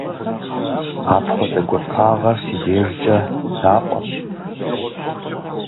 Апхуэдэ гуапагъэр си дежкӀэ лъапӀэщ.